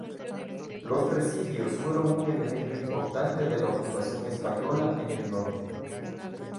Los presidios fueron un elemento importante de la ocupación española en el norte.